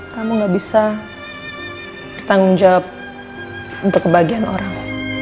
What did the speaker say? kamu gak bisa bertanggung jawab untuk kebahagiaan orang